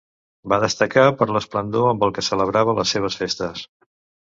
Va destacar per l'esplendor amb el que celebrava les seves festes.